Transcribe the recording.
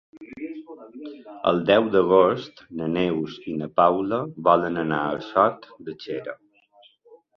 El deu d'agost na Neus i na Paula volen anar a Sot de Xera.